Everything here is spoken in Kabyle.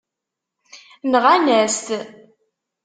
Nɣan-as-t.